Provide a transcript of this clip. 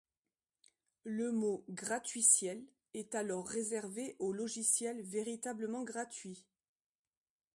Le mot gratuiciel est alors réservé aux logiciels véritablement gratuits.